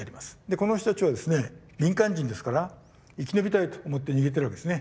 この人たちはですね民間人ですから生き延びたいと思って逃げてるわけですね。